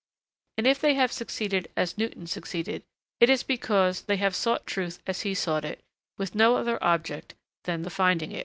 And if they have succeeded as Newton succeeded, it is because they have sought truth as he sought it, with no other object than the finding it.